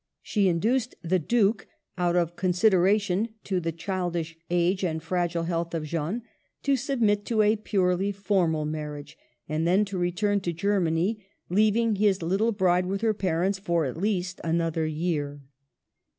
She induced the Duke, out of consideration to the childish age and fragile health of Jeanne, to submit to a purely formal marriage, and then to return to Germany, leav ing his little bride with her parents for at least another year.